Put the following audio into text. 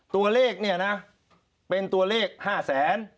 ตัวเลขเนี่ยนะเป็นตัวเลข๕แสน